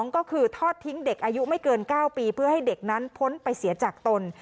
ก็คือทอดทิ้งเด็กอายุไม่เกิน๙ปีเพื่อให้เด็กนั้นพ้นไปเสียจากตน